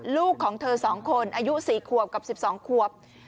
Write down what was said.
ลูกของเธอ๒คนอายุ๔ขวบกับ๑๒ควบ